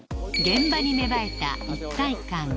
現場に芽生えた一体感